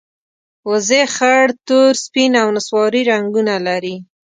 وزې خړ، تور، سپین او نسواري رنګونه لري